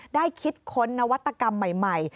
ได้คิดค้นนวัตกรรมใหม่